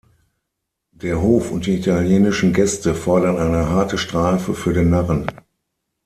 Der Hof und die italienischen Gäste fordern eine harte Strafe für den Narren.